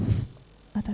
saya tidak mau